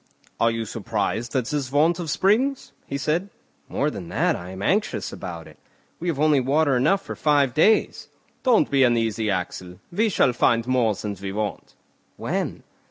"Are you surprised at this want of springs?" he said. "More than that, I am anxious about it; we have only water enough for five days." "Don't be uneasy, Axel, we shall find more than we want." "When?"